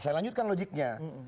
saya lanjutkan logiknya